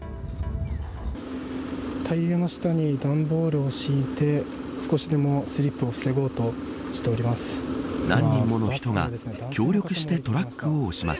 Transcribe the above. タイヤの下に段ボールを敷いて少しでもスリップを防ごうとしています。